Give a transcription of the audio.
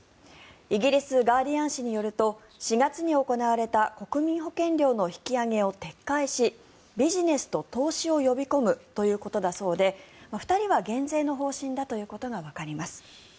イギリスガーディアン紙によると４月に行われた国民保険料の引き上げを撤回しビジネスと投資を呼び込むということだそうで２人は減税の方針だということがわかります。